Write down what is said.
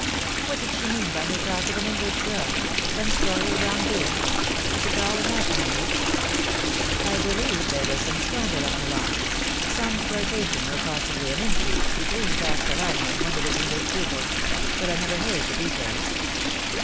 " What did she mean by her talk of an English girl some story of wrong doing ? Was it all imaginary ?"" I believe there was some scandal at Milan ; some flirtation, or possibly an intrigue, between Castellan! and one of hia 254 The Fatal Three. English pupils ; but I never heard the details.